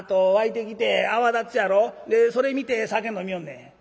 でそれ見て酒飲みよんねん」。